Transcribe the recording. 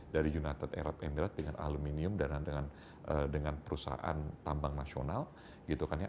dari united arab emirates dengan aluminium dan dengan perusahaan tambang nasional gitu kan ya